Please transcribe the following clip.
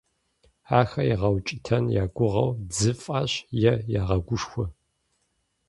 Ахэр ягъэукӀытэн я гугъэу дзы фӀащ е ягъэгушхуэ.